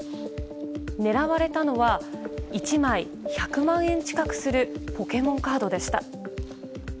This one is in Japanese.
狙われたのは１枚１００万円近くするポケモンカードでした。